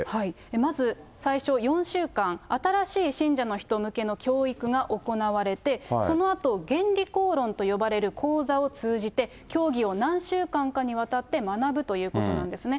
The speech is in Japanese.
まず最初、４週間、新しい信者の人向けの教育が行われて、そのあと原理講論と呼ばれる講座を通じて、教義を何週間かにわたって学ぶということなんですね。